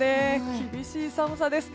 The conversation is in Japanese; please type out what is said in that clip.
厳しい寒さです。